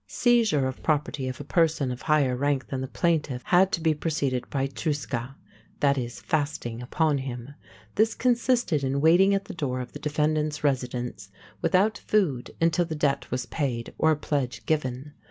Seizure of property of a person of higher rank than the plaintiff had to be preceded by troscead (truscah) = fasting upon him. This consisted in waiting at the door of the defendant's residence without food until the debt was paid or a pledge given.